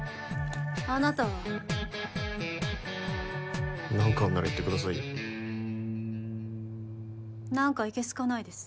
あなたは何かあんなら言ってくださいよ何かいけ好かないです